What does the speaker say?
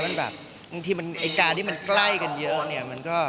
บางทีไอ้กาที่มันใกล้กันเยอะเนี่ย